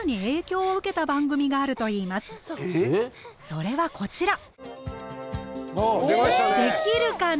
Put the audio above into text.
それはこちら。